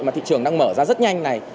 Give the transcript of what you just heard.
mà thị trường đang mở ra rất nhanh này